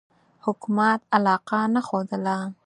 حکومت علاقه نه ښودله.